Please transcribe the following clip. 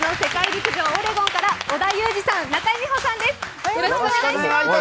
陸上オレゴンから織田裕二さん、中井美穂さんです。